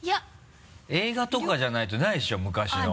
映画とかじゃないとないでしょ昔の。